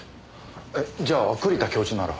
えっじゃあ栗田教授なら。